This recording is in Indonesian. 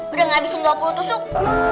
udah ngabisin dua puluh tusuk